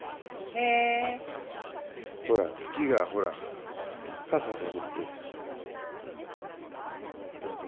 ほら月がほらかさかぶってる。